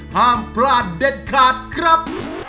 ห้ามพลาดเด็ดขาดครับ